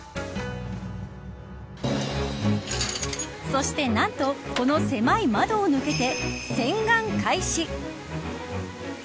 そして、何とこの狭い窓を抜けて洗顔開始。